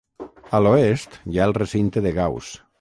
A l'oest hi ha el recinte de Gauss.